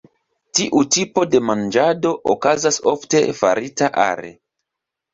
Tiu tipo de manĝado okazas ofte farita are.